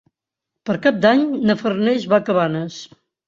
Per Cap d'Any na Farners va a Cabanes.